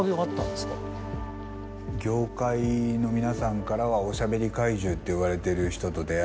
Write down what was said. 業界の皆さんからは「おしゃべり怪獣」っていわれてる人と出会って。